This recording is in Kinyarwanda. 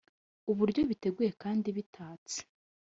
uburyo biteguye kandi bitatse